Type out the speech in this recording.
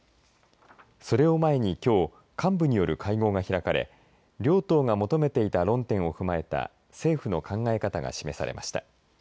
それを前にきょう幹部による会合が開かれ両党が求めていた論点を踏まえた政府の考え方が示されました。